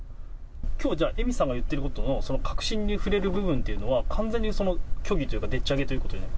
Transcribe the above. きょう、じゃ恵美さんが言っていることを核心に触れる部分というのは、完全に虚偽というか、でっち上げということになる？